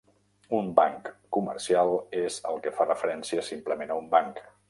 Un banc comercial és el que fa referència simplement a un banc.